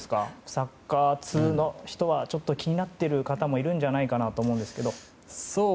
サッカー通の人は気になっている方もいるんじゃないかなと思うんですけど。